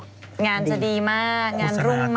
งานจะดีมากงานรุ่งมาก